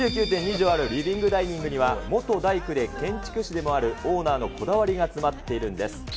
２９．２畳あるリビングダイニングには、元大工で建築士であるオーナーのこだわりが詰まっているんです。